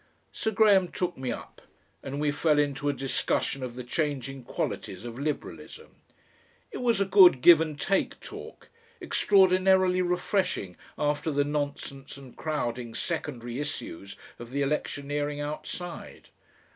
Sir Graham took me up and we fell into a discussion of the changing qualities of Liberalism. It was a good give and take talk, extraordinarily refreshing after the nonsense and crowding secondary issues of the electioneering outside.